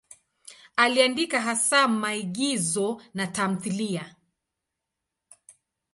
Aliandika hasa maigizo na tamthiliya.